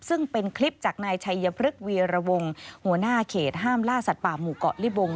ซึ่งเป็นคลิปจากนายชัยพฤกษ์วีรวงหัวหน้าเขตห้ามล่าสัตว์ป่าหมู่เกาะลิบง